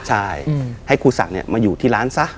ใช่ให้ครูศักดิ์มาอยู่ที่ร้านซะ